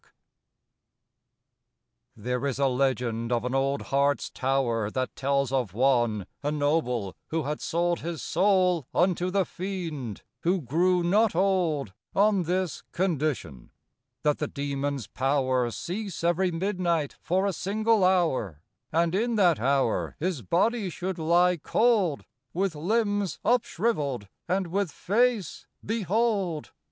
SIN There is a legend of an old Hartz tower That tells of one, a noble, who had sold His soul unto the Fiend; who grew not old On this condition: that the Demon's power Cease every midnight for a single hour, And, in that hour, his body should lie cold With limbs up shriveled, and with face, behold!